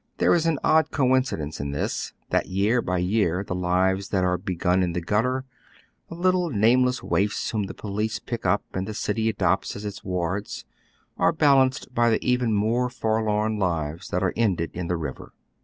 There is an odd coincidence in this, that year by year the lives that are begun in the gutter, the little nameless waifs whom the police pick up and the city adopts as its ward,', ai'e balanced by the even more forlorn lives that are ended in tlie river.